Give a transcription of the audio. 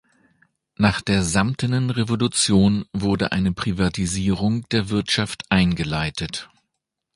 Nach der Samtenen Revolution wurde eine Privatisierung der Wirtschaft eingeleitet.